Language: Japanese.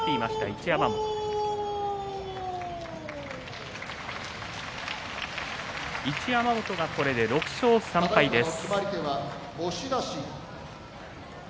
一山本、これで６勝３敗です。